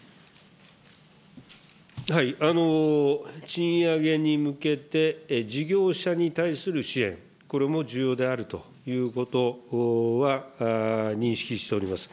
賃上げに向けて、事業者に対する支援、これも重要であるということは、認識しております。